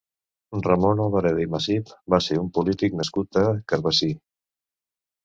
Ramon Albareda i Masip va ser un polític nascut a Carbasí.